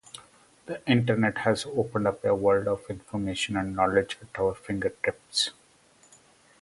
The internet has opened up a world of information and knowledge at our fingertips.